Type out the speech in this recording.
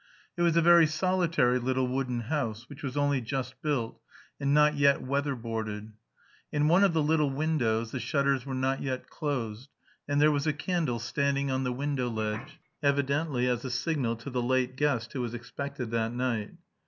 It was a very solitary little wooden house, which was only just built and not yet weather boarded. In one of the little windows the shutters were not yet closed, and there was a candle standing on the window ledge, evidently as a signal to the late guest who was expected that night.